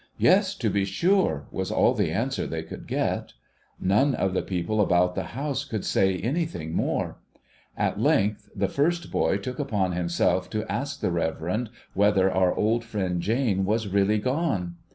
'Yes, to be sure,' was all the answer they could get. None of the people about the E 50 THE SCHOOLBOY'S STORY house would say anything more. At length, the first hoy took upon himself to ask the Reverend whether our old friend Jane was really gone?